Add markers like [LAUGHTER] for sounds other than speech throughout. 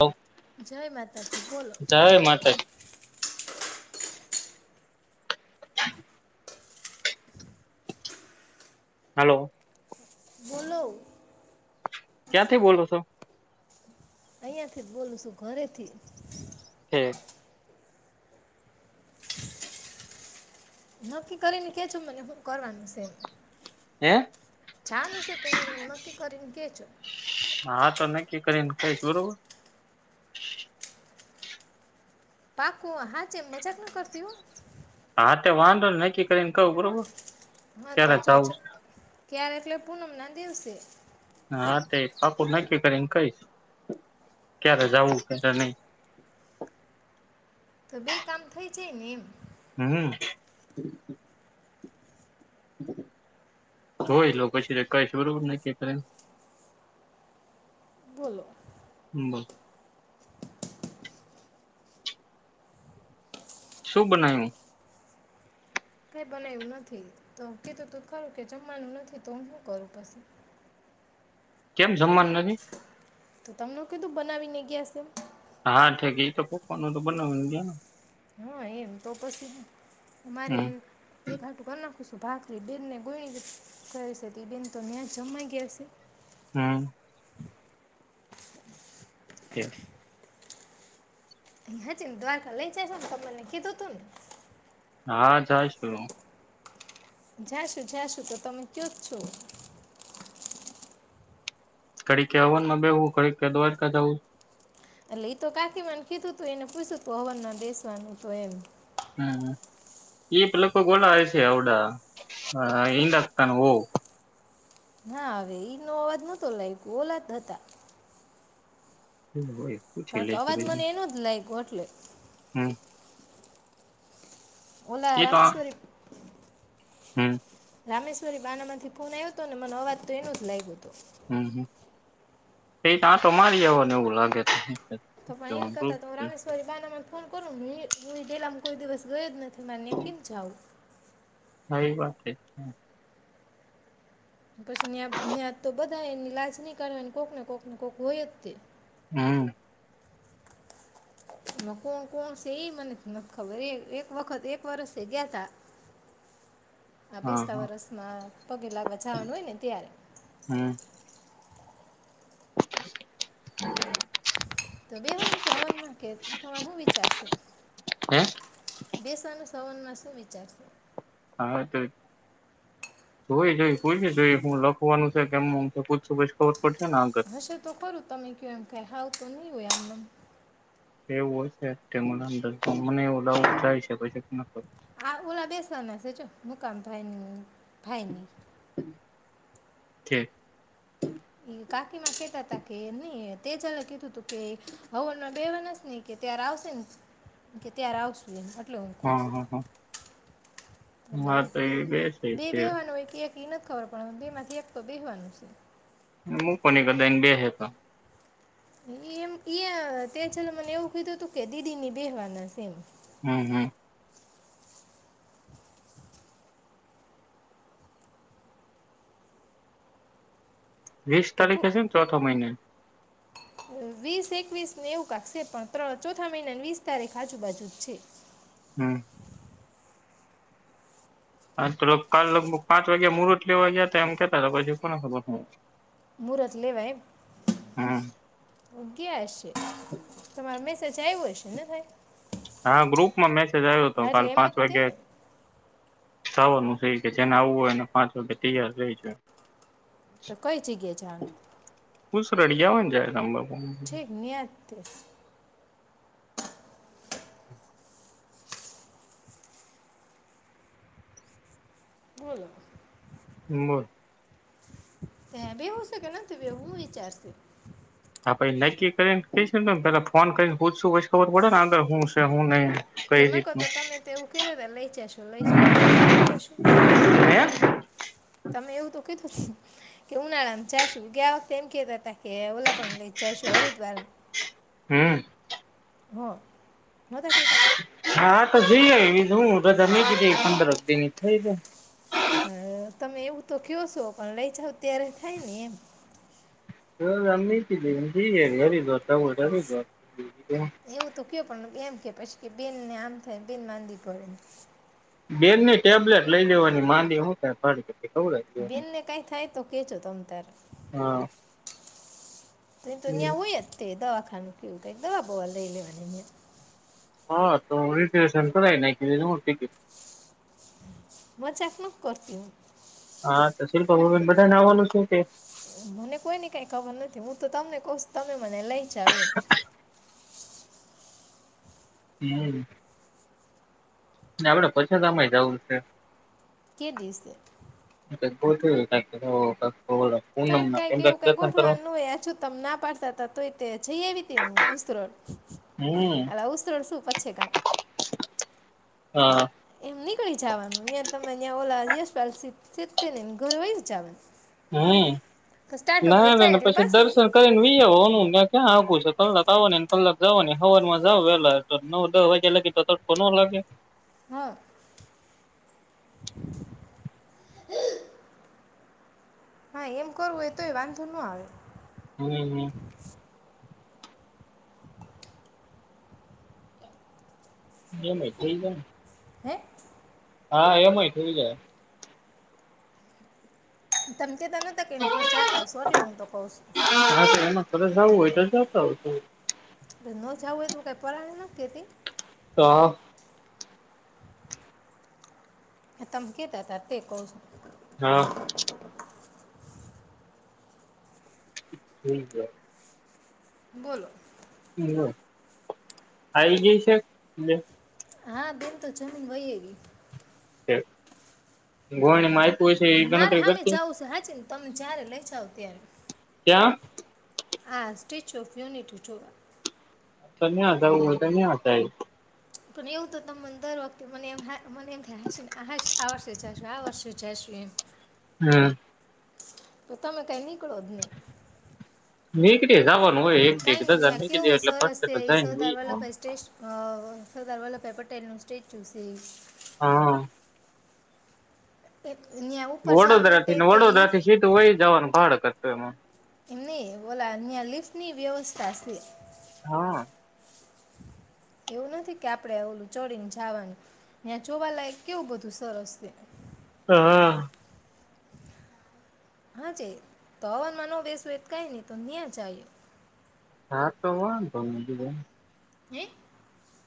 હ. જય માતાજી બોલો. માતાજી. હલોો. બોલો. ક્યાં થઈ બોલલો છૌ. અહયાથી જ બોલું છું ઘરેથી. હું નક્કી કરીને કે છું મને શું કરવાનું છે એમ. હે ચનું છે કે ન એમ નક્કી કરીને કે છેો. હા તો નક્કી કરીને કઈશ બરોબર. પાકું હા જેમ મજાક ના કરતી હું. આ વાંધો નક્કી કરીને કહું બરોબર. હા તો ક્યારે છો જાવું છો. છે. ક્યારે એટલે પૂનમના દિવસે. હા હા તે પાાકું નક્કી કરીને કહીશ ક્યારે જવું ક્યારે નહી. તો બે કામ થઈ જાય ને એમ. હું હોય લો પછી કઈ જરૂર નકી કરે. બોલો. હબલ. શું બનાયું. કઈ બનાયું નથી તો કીધું તું ખરું કે જમવાનું નથી તો હું શું કરું પછી. કેમ જમવાનું નથી. તો તમને કીધું બનાવી ને ગયા છે એમ. હા ઠક તો પોકવાનું તો બનાવીને ને. હા એમ તો પછી મારે હમ એકાટું કર ના. ું ભાગરી બેનને ગોણી કરશે બેન તો ન્યા જમાઈ ગયા હ છે. હું કે. અહ જ ને દ્વારકા લઇ જશમ ત મને કીધું તું ને. હા જાયશું જશું જશું તો તમે કયો જ છો કડી કે હવન માં બેવું કડી કે દ્વારકા જું એટલે તો કાકીીવાન કીધું તું એને પૂછ્યું હતું હવરના દસવાનું તો એમ હમ એ લોકો ગોલા આવે છે આવડા ઇન્ડાસ્તાન હો ના હવે એ ન અવાજ નતો લ ઓલાદ હતા હમ હો કારણ કે અવાજ મને એનો જ લાગ કટલે હું ઓ લરામશ્વરી હું રામેશ્વરી બાનામાંથી ફોન આવ્યો હતો ને મને અવાજ તો એનો જ લાગ્યો હતો હમ, એ ત તો મારી આવને એવું લાગે છે તો પણ એન કરતા તો રામેશ્વરી બાનામાં ફોન કરુ હું ટેેલામ કોઈ દિવસ ગયો જ નથી મ કેમ જા આવું એ વાત પછી તો ત્યાં બધા એની લાજ નહી કાની કોઈક ને કોઈક ને કોક હોય જ તે હમ કોણ, કોણ છે, એ મને નથી ખબર એ એક વખત એક વર્ષ ગયા તા આ હા બીસતા હા વરસમાં પગે લાગવા જવાનું હોય ને ત્યારે ફ [UNINTELLIGIBLE] તો બેહવાનું છે હવનમાં કે તમાર શું વિચાર શે હે બેસવાનું છે હવનમાં શું વિચારશે હા, તો જોય, જોઈ કોઈને પૂછ્યું જોઈ હું લખવાનું છે કેમમ પૂછશું પછ હશે તો ખરું તમે કયો એમ કે થાવ તો નહી હોય આમનેમ એવું હશે મને [INAUDIBLE] એવું ડાઉટ જાય છે [INAUDIBLE] કે આ ઓલા બેસવાના છે, મુકામ ભાઈ ફાયની છે તે ચાલેક કીધું તું કે હવનમાં બેવાના છે ને કે ત્યારે આવશે ને કે ત્યારે આવશું એ [UNINTELLIGIBLE] લોમકોસ હા હા હા હા તો એટલે એ બેસે બે છે બેવાનું હોય કે એક એ નથી ખબર પડવા બે માંથી એક તો બેહવાનું છે હું કો ન કદા એને બેસે તો એ એમ ત્યાં છે મને એવું કીધું હતું કે દીદી ની બેહેવાના છે એમ હમ, હમ વિસ તે પુ તારીખે છે, ચોથ મહિને વીસ, એકવીસને એવું કાક છે પણ્ર ચોથા મહિનાની વીસ તારીખ આજુબાજુ છે હમ હા, તો કાલ લગભગ પાંચ વાગ્યા મુરત લેવા ગયા હતા એમ કેતા હતા પછી કોને ખબર મુરત લઈ એમ હમ ગ્યાઆશે તર મે સજાયું હય છે ને થાય હા ગ્રુપમાં મેસેજ આવ્યો હતો હા એટલે કાલ એમ પાંચ જ તે વાગ્યા ને સાવારનું થ કે જેને આવવું હોય એને પાંચ વાગે તૈયાર રેજો તો કઈ જગ્યાએ જવાનું કુછ રડિયાવાન જાય [UNINTELLIGIBLE] ઠીક યાત તે બોલો. હમ્મ. હ બેવું છે કે ના તુંવું વિચારશે? હ પછી નક્કી કરીને ક પેલા ફોન કરીને પૂછશું પછી ખબર પડે ને અંદર હું છે હું નહી. તો કઈ નકો તો રીતનું તમેવું ક રતે લઈ જશો લઈ જશો ક્યા લઈ જશુ? હે તમે એવું તો કીધું કે ઉનાળામાં જાશું ગયા વખતે એમ કેતા હતા કે ઓલાપણ લઈ જશું હરિદ્વાર. હમ્મ. હ નતા કેતા? હા હા તો જોઈએ હું રજા નહી કીધ પંદર દિ થઈ જાય. પણ તમે એવું તો કયો છો પણ લઈ જાવ ત્યારે થાય ને એમ [UNINTELLIGIBLE] એવું. ક્યો પણ એમ કે પછી કે બેનને આમ થાયને બેન માંંદી પડે. બેનની ટેબ્લેટ લઈ લેવાની માંદી હું ત ખડી બેનને કઈ થાય તો કેચો ત તાર હા ત તન્યાં હોુંયત તે દ ખાન કે ઉ તો એકદમ અ બોવાલ રેલે હા તો રિઝર્વેશન તોાય ટિકિટ હ ચેકમાં કરતું. હા તો શિલ્પ ભુબેન બધાનેવાનું છે કે. મને કોઈની કઈ ખબર નથી હું તો તમને કહશ તમે મને લઈ. [UNINTELLIGIBLE] હમ્મ. આપડે પછા કય જવું છે. કે દ છે. [UNINTELLIGIBLE] પૂનમ કઈક ના કઈક કેમ કે એવું ક દર્શન કરવા ગોઠવાનું હોયછું તમ ના પાડતા હતા તો જઈ આવી ત ન ઉરોડ હમ એ ઉરોડ શું પછે ગામ હા. એમ નીકળી જવાનું યા તમે ત્યાં ઓલા યપ ઘરે વહી જવાનું. હમ્મ તો સ્ટાર્ટ ના ઉપર થાય ના એટલે પછી પાછું ની- દર્શન કરીને ની આવાનું ક્યા કલાક આવો નેને કલાક જવા ને હવા માં જ પેલા નવ દ વાગ્યા લાગી તો તટકો ન લાગે. હા. હા એમ કરવું એ તોય વાંધો ન આવે. હમ્મ. મે મ થઇ જને હે. હા એમય થઈ જાય. તમે. તે તને તા કે ઘર જાતા હશો એટલે હું તો કઉ છું. હા તો એમાં ઘરે [UNINTELLIGIBLE] ન જવું હોય તો કઈ પરાણ ન કેતી હા તમે કેતા હતા તે કઉ છું. હા થઇ જાય. બોલો આઈ ગઈ છે. હા, બેન તો જમીન વય એવી છે ઘોણીમાં આપ્યું મારે હામે જાવું છે. હાચે, તમે, જ્યારે લઈ જાઓ. ત્યારે, ક્યાં આ સ્ટેચ્યુ ઓફ યુનિટી જોવા. તો નહીતા ઉ તો નહી, આવતા એ પણ, એવું તો, તમ દર વખતે મને એમ હા મને, એમ થા. હાસીને આહાસ આ વર્ષે જશુ આ વર્ષે જશુ એમ. હમ. તો, તમે કઈ નીકળો જ ની મેકડે જાવ કાઈ, નઈ યા કેવું સરસે તો એ જઈને વઈ સરદાર વલ્લભાઈ સસ્ટેસ અ સરદાર વલ્લભભાઈ પટેલનું સ્ટેજ છે ઈ હા એક ન્યા ઉપર જવા વડોદરા માટે થી ને તે વડોદરા થી લિફ્ટ સીધું વહી જવાનું ભાડા કર ત માં નહી, બોલા અહ્યા લિફ્ટની વ્યવસ્થા છે. હા. એવું નથી કે આપડે ઓલું ચડીને જાવાનું ન્યાં જોવાલાયક કેવું બધું સરસ છે. હા. હા છે તોવાન માન બેસું કઈ નહી તો ન્યા જાય હા તો હો દ હે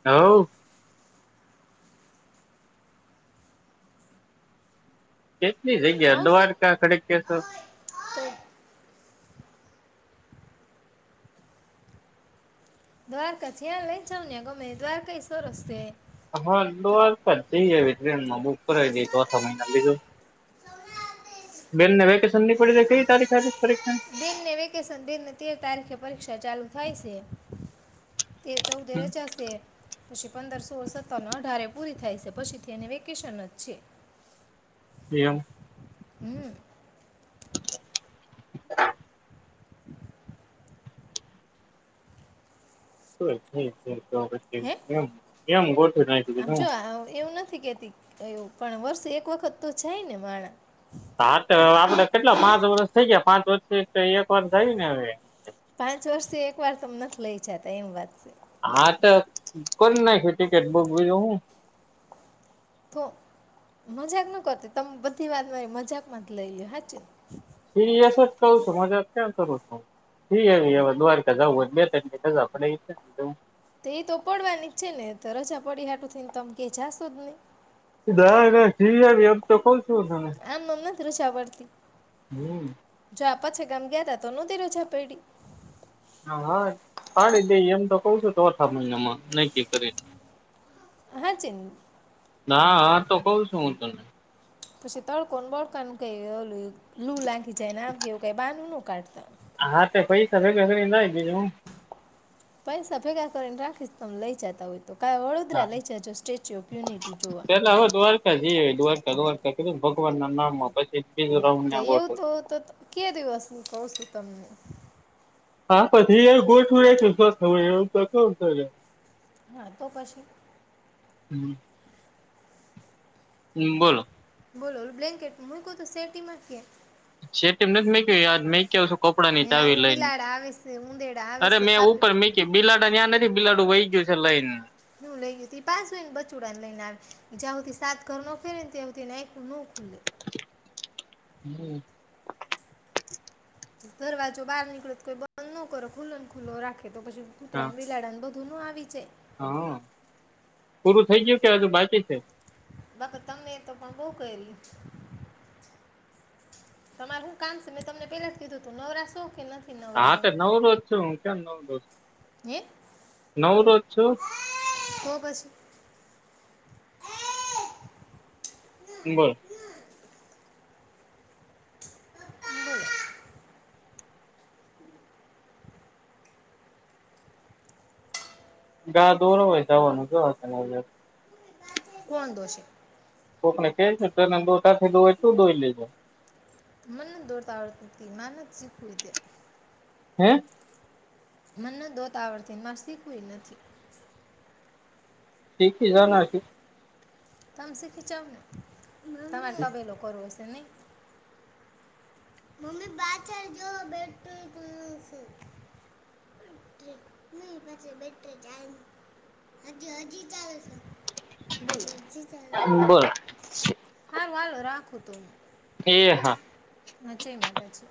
હવ કેટલી હે જગ્યા આવશે દ્વારકા [UNINTELLIGIBLE] તો દ્વારકા છે લયજાવ ને ગમે દ્વારકાઈ સરસ છે. હા, તમ- દ્વારકા જ જયે અવે, ટ્રેનમાં બુક કરાવી દઈ એ- ચોથા મહિના બીજું બેન ને વેકેશન ની પડી કઈ તારીખ આવી પરીક્ષા બેનને વેકેશન બેનને તેર તારીખે પરીક્ષા ચાલુ થાય સે તેર ચૌદણે એમ રજા શે. પછી પંદર, સોળ, સત્તર ને અઢારે પૂરી થાય સે, પછીથી એને વેકેશન જ છે. એમ. હમ. તોય [UNINTELLIGIBLE] તો પછી હે એમ-એમ ગોઠવી નાયખુ તે આમ જો [UNINTELLIGIBLE] આ એવું નથી કહેતી એવું પણ વર્ષ એક વખત તો જાય ને માણ. હા તો આપડે કેટલા પાંચ વર્ષ થઇ ગયા પાંચ વર્ષ અંયા પણ થય ને હવે. પાંચ વર્ષથી એક વાર તમ નથ લઈ જતા એમ વાત સે. હા તો કરી નાખ્યું ટિકિટ બુક બીધું હું. તો મજાક ન કરતી તમે બધી વાત મારી મજાકમાં જ લઈ હાચે. સીરિયસ જ કંવ છું મજાક ક્યાં કરું છું, જિઆવીએ હવે દ્વારકા જવું હોય તો બે ત્રણ [UNINTELLIGIBLE] છે. તો એ તો પડવાની જ છે ને તો રજા પડી હાટું થઈને તમે કે જાશો જ નય. ના-ના જિઆવીએ એમ તો કંવ છું. શું તમે. [UNINTELLIGIBLE] હમ પછી ગામ ગયા તા તો નતી રજા પેડી હા પાડી દઈ એમ તો કઉ છું ચોથા મહિનામાં નકી કરી. હા ચિ ના તો કઉ છું હું તને. [UNINTELLIGIBLE] તળ કોણ બોળ [UNINTELLIGIBLE] લુ લાગી જાયનેમ કેવું કઈ બાનું ન કાઢતા હા તે પૈસા ભેગા કરી રાયખ બીજું હું? પૈસા ભેગા કરીને રાખીશ તમે લઈ જતા હોય. તો કા વડોદરા હા લઈ જજો સ્ટેચ્યુ ઓફ યુનિટી જોવા. મેં કિધું ભગવાન ના નામ માં પછી બીજું રાઉન્ડ તે ના એવું ગોઠવું તો તો કયા દિવસ ક છું. તમ હા પછી ગોર છું [UNINTELLIGIBLE] હા તો [UNINTELLIGIBLE] હમ હમ બોલો બોલો બ્લેન્કેટ હ મું કહું શેરટી માં કે છે તેમને જ મેં કય યાદ મેં કેવું કપડા ની ને આવું ચાવી લઈને, બિલાડા આવે છે ઉંદેડા આવે અરે છે મેં કાપી ઉપર મીકી બિલાડા ત્યાં નથી. તમિલનાડું વઈ ગયું છે લઈન નું લઈ ગય ત પાચને બચુડાને લઈને આવે જં સુથી સાત ઘર ન ફેરે ને ત્યાં ના ન ખુલે [INAUDIBLE] દરવાજો, બહાર નીકળે કોઈ બંધ ન કરો. ખુલ્લો ને ખુલ્લો રાખો. તો, પછી કૂતરા હા ને બિલાડાને બધ ઘૂનું આવી જાય. હા પૂરું થઈ ગયું કે હજુ બાકી છે. બા તમને એ તો પણ બો કયરું છે તમારે હું કામ છે મેં તમને પેલા જ કીધું તું નવરાશો હા તો નવરોજ છું હું કેમ નવ રોજ હે નવરોજ છો. તો પછી. બોલ. [INAUDIBLE] ગા દોરો હોય તો જ [UNINTELLIGIBLE] કોન દોસે. કોકને કેય છે [UNINTELLIGIBLE] તું ધોઈ લેજે. [INAUDIBLE] હે. મને ઘોતા આવડતી મા શીખવી નથી. શીખી જવાનું [UNINTELLIGIBLE] તમે [UNINTELLIGIBLE] તમારે તબે શીખી લોકો નું હશે. નહીં. [INAUDIBLE] બોલો. [INAUDIBLE] બોલ [UNINTELLIGIBLE] એ હા. હા જય માતાજી.